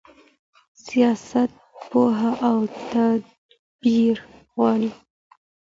سياست پوهه او تدبير غواړي.